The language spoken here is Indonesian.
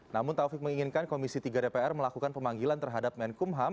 namun taufik menginginkan komisi tiga dpr melakukan pemanggilan terhadap menkumham